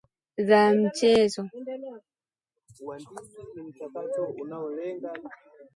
za mchezo